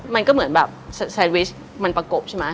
มันก็เหมือนแบบแซนวิชมันประกบใช่ไหม